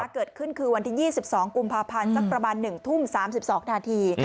เกิดขึ้นคือวันที่๒๒กุมภาพันธ์สักประมาณ๑ทุ่ม๓๒นาที